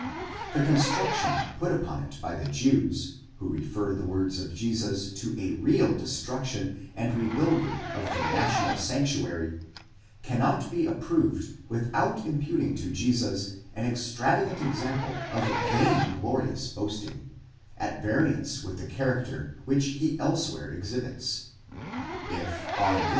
The construction put upon it by the Jews, who refer the words of Jesus to a real destruction and rebuilding of the national sanctuary, cannot be approved without imputing to Jesus an extravagant example of vain glorious boasting, at variance with the character which he elsewhere exhibits. If on this.